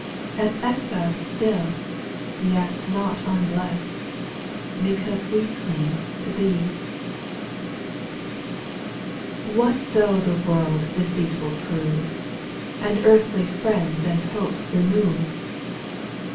As exiles still, yet not unblest. Because we cling to Thee I SPIRITUAL SONGS, 47 4. What though the world deceitful prove, And earthly friends and hopes remove